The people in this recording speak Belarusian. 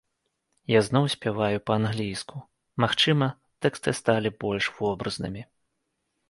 Я зноў спяваю па-англійску, магчыма, тэксты сталі больш вобразнымі.